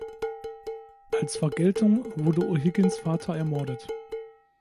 Als Vergeltung wurde O’Higgins Vater ermordet.